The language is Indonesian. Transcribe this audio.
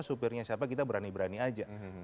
supirnya siapa kita berani berani aja